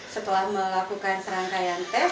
setelah melakukan serangkaian tes